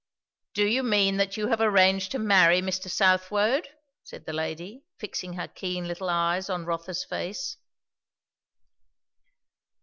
"Do you mean that you have arranged to marry Mr. Southwode?" said the lady, fixing her keen little eyes upon Rotha's face.